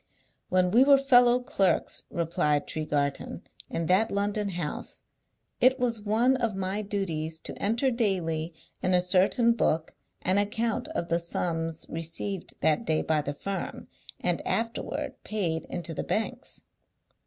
"When we were fellow clerks," replied Tregarthen, "in that London house, it was one of my duties to enter daily in a certain book an account of the sums received that day by the firm, and afterward paid into the bankers'.